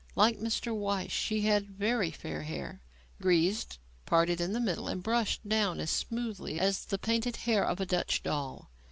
Like Mr. Weiss, she had very fair hair, greased, parted in the middle and brushed down as smoothly as the painted hair of a Dutch doll.